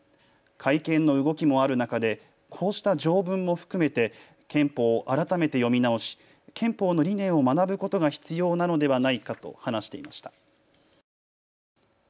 改憲の動きもある中で、こうした条文も含めて憲法を改めて読み直し憲法の理念を学ぶことが必要なのではないかと話していました。